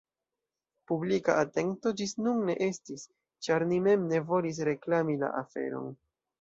Publika atento ĝis nun ne estis, ĉar ni mem ne volis reklami la aferon.